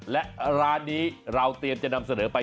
และร้านนี้เราเตรียมจะนำเสนอไป